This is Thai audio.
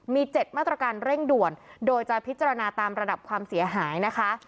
มี๗มาตรการเร่งด่วนโดยจะพิจารณาตามระดับความเสียหายนะคะ